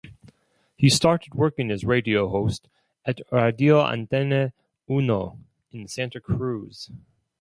He started working as radio host at Radio Antena Uno in Santa Cruz.